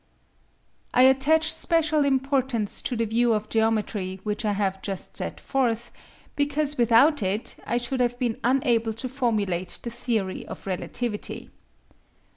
I attach special importance to the view of geometry which I have just set forth, because without it I should have been unable to formulate the theory of relativity.